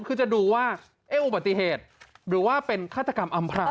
คือจะดูว่าอุบัติเหตุหรือว่าเป็นฆาตกรรมอำพราง